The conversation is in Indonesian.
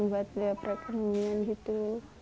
buat lihat mereka ngeri gitu